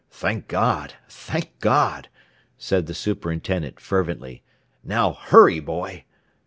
"Thank God! Thank God!" said the superintendent, fervently. "Now, hurry, boy!"